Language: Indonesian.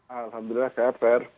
alhamdulillah sehat fer